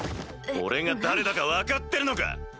俺が誰だか分かってるのか？